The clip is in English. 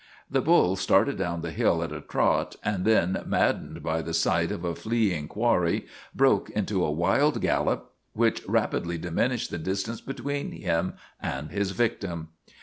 The bull started down the hill at a trot and then, maddened by the sight of a fleeing quarry, broke into a wild gallop which rapidly diminished the distance between him and his victim.